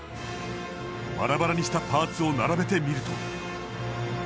バラバラにしたパーツを並べてみると。